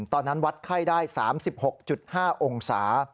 ตอนนั้นวัดไข้ได้๓๖๕องศา